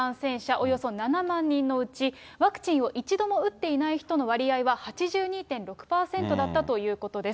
およそ７万人のうち、ワクチンを一度も打っていない人の割合は８２．６％だったということです。